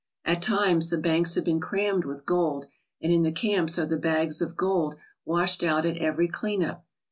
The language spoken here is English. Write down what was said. At times the banks have been crammed with gold and in the camps are the bags of gold washed out at every clean up.